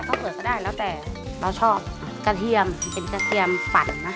ถ้าเปิดก็ได้แล้วแต่เราชอบกระเทียมเป็นกระเทียมปั่นนะ